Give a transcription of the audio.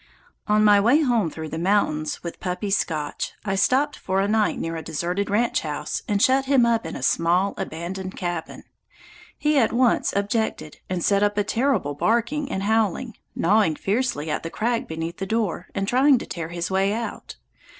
On my way home through the mountains with puppy Scotch, I stopped for a night near a deserted ranch house and shut him up in a small abandoned cabin. He at once objected and set up a terrible barking and howling, gnawing fiercely at the crack beneath the door and trying to tear his way out.